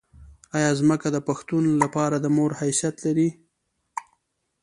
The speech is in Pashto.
آیا ځمکه د پښتون لپاره د مور حیثیت نلري؟